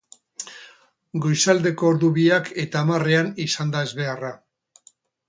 Goizaldeko ordu biak eta hamarrean izan da ezbeharra.